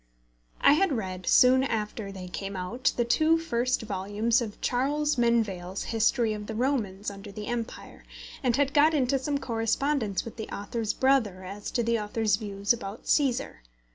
I had read, soon after they came out, the two first volumes of Charles Merivale's History of the Romans under the Empire, and had got into some correspondence with the author's brother as to the author's views about Cæsar.